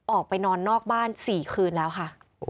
ออกไปนอนนอกบ้าน๔คืนแล้วค่ะ